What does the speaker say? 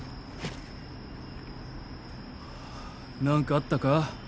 何かあったか？